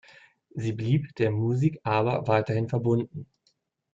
Sie blieb der Musik aber weiterhin verbunden.